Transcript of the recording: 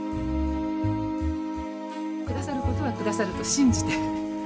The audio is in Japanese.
下さることは下さると信じて。